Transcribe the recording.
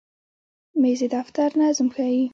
مېز د دفتر نظم ښیي.